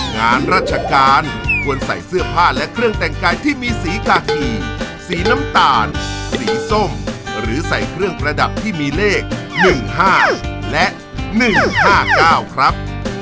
งานราชการควรใส่เสื้อผ้าและเครื่องแต่งกายที่มีสีกากีสีน้ำตาลสีส้มหรือใส่เครื่องประดับที่มีเลข๑๕และ๑๕๙ครับ